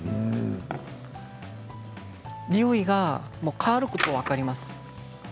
においが変わるのが分かります。